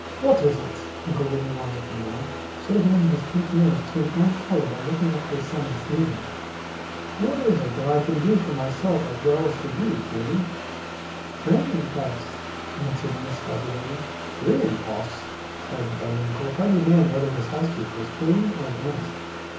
"What is it?" Uncle Wiggily wanted to know, sort of making his pink nose turn orange color by looking up at the sun and sneezing. "What is it that I can do for myself as well as for you, Janie?" "Cream puffs," answered Miss Fuzzy Wuzzy. "Cream puffs?" cried the bunny uncle, hardly knowing whether his housekeeper was fooling or in earnest.